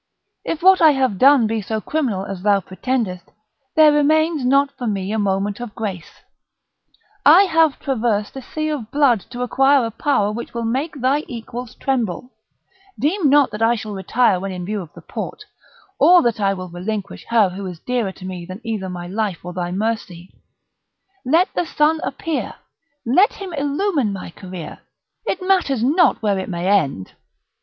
If what I have done be so criminal as thou pretendest, there remains not for me a moment of grace; I have traversed a sea of blood to acquire a power which will make thy equals tremble; deem not that I shall retire when in view of the port, or that I will relinquish her who is dearer to me than either my life or thy mercy. Let the sun appear! let him illumine my career! it matters not where it may end."